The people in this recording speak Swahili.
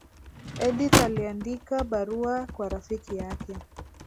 edith aliandika barua kwa rafiki yake